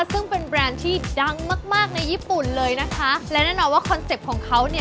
ซึ่งเป็นแบรนด์ที่ดังมากมากในญี่ปุ่นเลยนะคะและแน่นอนว่าคอนเซ็ปต์ของเขาเนี่ย